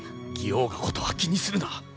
妓王のことは気にするな。